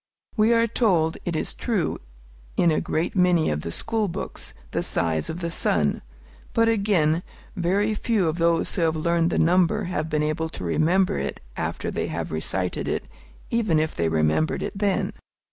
We are told, it is true, in a great many of the school books, the size of the sun; but, again, very few of those who have learned the number have been able to remember it after they have recited it, even if they remembered it then.